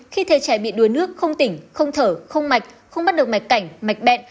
khi thế trẻ bị đua nước không tỉnh không thở không mạch không bắt được mạch cảnh mạch bẹn